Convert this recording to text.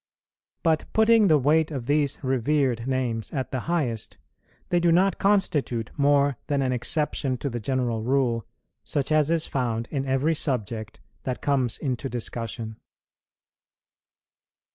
But, putting the weight of these revered names at the highest, they do not constitute more than an exception to the general rule, such as is found in every subject that comes into discussion.